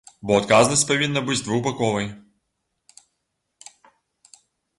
Бо адказнасць павінна быць двухбаковай.